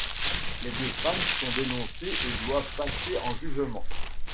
Les deux femmes sont dénoncées et doivent passer en jugement.